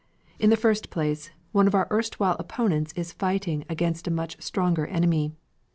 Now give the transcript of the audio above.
In the first place, one of our erstwhile opponents is fighting against a much stronger enemy.